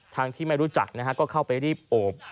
ทั้งที่ไม่รู้จักนะฮะก็เข้าไปรีบโอบ